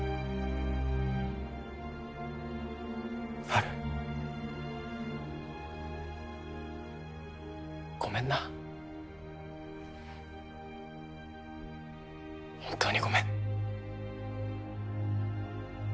アルごめんな本当にごめん